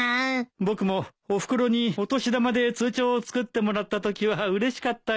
僕もおふくろにお年玉で通帳を作ってもらったときはうれしかったよ。